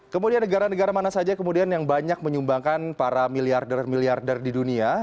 kemudian negara negara mana saja kemudian yang banyak menyumbangkan para miliarder miliarder di dunia